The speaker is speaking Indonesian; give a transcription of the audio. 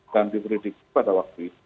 dan diberi dikutu pada waktu itu